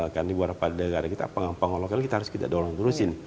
karena di beberapa negara kita pangan lokal kita harus kita dorong dorongin